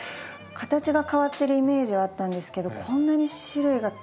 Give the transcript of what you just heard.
形が変わってるイメージはあったんですけどこんなに種類がたくさんあるんですね。